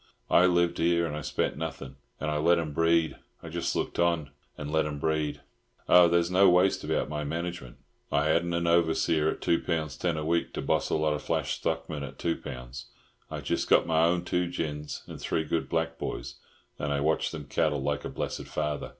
"I lived here, and I spent nothing, and I let 'em breed. I just looked on, and let 'em breed. Oh, there was no waste about my management. I hadn't an overseer at two pounds ten a week, to boss a lot of flash stockmen at two pounds. I jest got my own two gins and three good black boys, and I watched them cattle like a blessed father.